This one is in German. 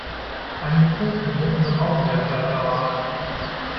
Einen Betrunkenen möchte man auch nicht als Beifahrer haben.